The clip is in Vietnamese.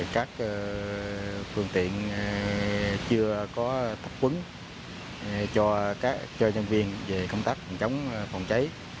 các phương tiện chưa có thắc quấn cho nhân viên về công tác chống phòng cháy